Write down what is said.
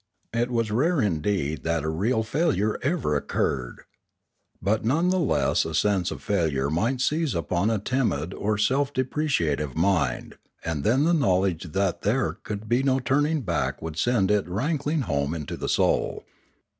It was rare indeed that a real failure ever occurred. But none the less a sense of failure might seize upon a timid or self depre ciative mind, and then the knowledge that there could be no turning back would send it rankling home into the soul.